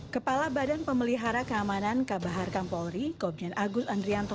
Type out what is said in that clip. kepala badan pemelihara keamanan kabaharkam polri komjen agus andrianto